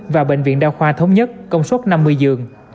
và bệnh viện đa khoa thống nhất công suất năm mươi giường